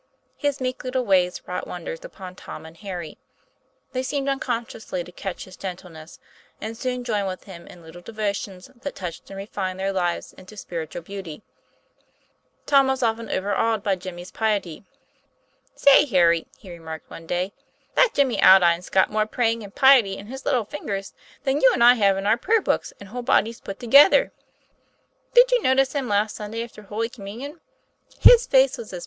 His meek little ways wrought wonders upon Tom and Harry. They seemed unconsciously to catch his gentleness, and soon joined with him in little devotions that touched and refined their lives into spiritual beauty. Tom was often overawed by Jimmy's piety. "Say, Harry," he remarked one day, "that Jimmy Aldine's got more praying and piety in his little finger than you and I have in our prayer books and whole bodies put together. Did you notice him last Sunday after Holy Communion ? His face was a TOM PLAYFAfR.